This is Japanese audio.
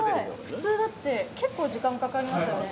普通だって結構時間かかりますよね？